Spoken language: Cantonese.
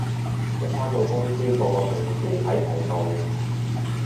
一返到公司個個同事喺齊度